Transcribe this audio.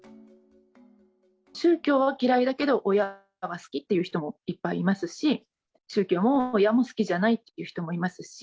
宗教は嫌いだけど親は好きっていう人もいっぱいいますし、宗教も親も好きじゃないという人もいますし。